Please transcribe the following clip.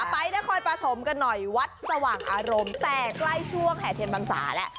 ไปนครปฐมกันหน่อยวัดสว่างอารมณ์แต่ใกล้ช่วงแห่เทียนพรรษาแล้ว